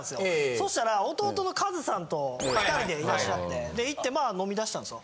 そしたら弟の和さんと２人でいらっしゃってで行ってまあ飲みだしたんですよ。